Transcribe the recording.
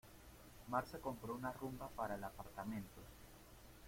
Mar se compró una Rumba para el apartamento.